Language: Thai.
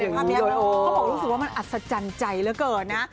ภาพนี้เขาบอกรู้สึกว่ามันอัศจรรย์ใจเหลือเกินนะ